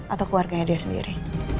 atau keluarganya dia sendiri